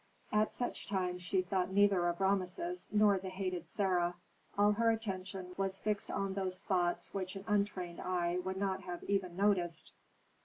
At such times she thought neither of Rameses nor the hated Sarah; all her attention was fixed on those spots which an untrained eye would not have even noticed.